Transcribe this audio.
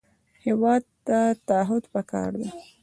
هېواد ته تعهد پکار دی